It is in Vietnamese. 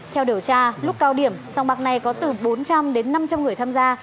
theo điều tra lúc cao điểm sòng bạc này có từ bốn trăm linh đến năm trăm linh người tham gia